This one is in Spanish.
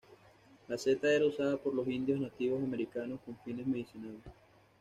La seta era usada por los indios nativos americanos con fines medicinales.